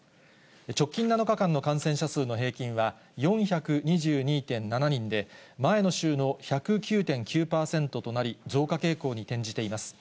直近７日間の感染者数の平均は４２２．７人で、前の週の１０９．９％となり、増加傾向に転じています。